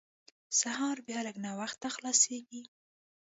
سهار بیا لږ ناوخته خلاصېږي.